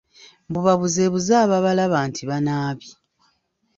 Mbu babuzeebuze ababalaba nti banaabye.